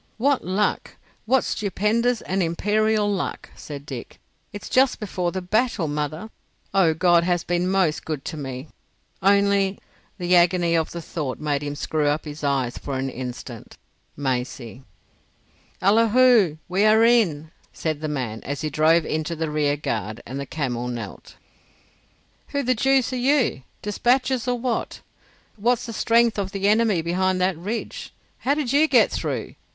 "What luck! What stupendous and imperial luck!" said Dick. "It's "just before the battle, mother." Oh, God has been most good to me! Only'—the agony of the thought made him screw up his eyes for an instant—"Maisie..." "Allahu! We are in," said the man, as he drove into the rearguard and the camel knelt. "Who the deuce are you? Despatches or what? What's the strength of the enemy behind that ridge? How did you get through?"